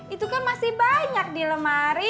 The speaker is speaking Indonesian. itu kan masih banyak di lemari